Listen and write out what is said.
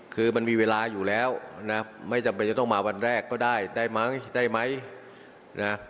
คือมันมีเวลาอยู่แล้วนะไม่จำเป็นจะต้องมาวันแรกก็ได้ได้ไหมได้ไหมนะ